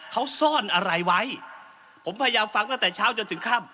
เขาซ่อนอะไรไว้ผมพยายามฟังตั้งแต่เช้าจนถึงค่ำ